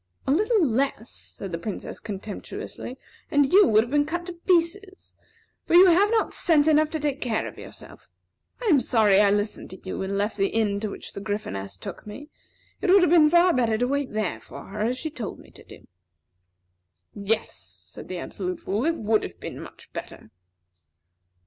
"A little less," said the Princess, contemptuously, "and you would have been cut to pieces; for you have not sense enough to take care of yourself. I am sorry I listened to you, and left the inn to which the Gryphoness took me. It would have been far better to wait there for her as she told me to do." "Yes," said the Absolute Fool; "it would have been much better."